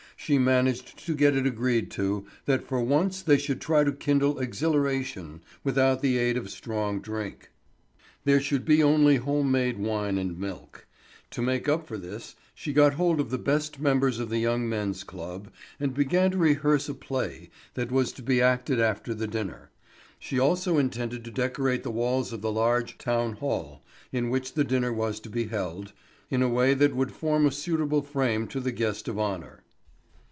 She managed to get it agreed to, that for once they should try to kindle exhilaration without the aid of strong drink; there should be only home made wine and milk. To make up for this, she got hold of the best members of the young men's club, and began to rehearse a play that was to be acted after the dinner. She also intended to decorate the walls of the large town hall, in which the dinner was to be held, in a way that would form a suitable frame to the guest of honour.